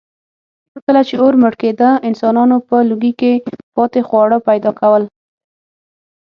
کله چې اور مړ کېده، انسانانو په لوګي کې پاتې خواړه پیدا کول.